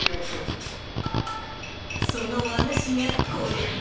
その和菓子がこれ。